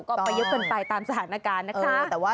ก็ไปเยอะเกินไปตามสถานกรรณ์นะคะ